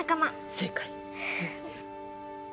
正解！